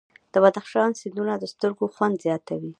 د بدخشان سیندونه د سترګو خوند زیاتوي.